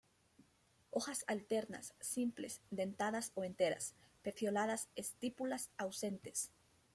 Hojas alternas, simples, dentadas o enteras; pecioladas, estípulas ausentes.